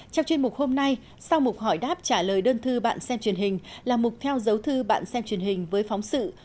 trong chuyên mục hôm nay sau mục hỏi đáp trả lời đơn thư bạn xem truyền hình là mục theo dấu thư bạn xem truyền hình với phóng sự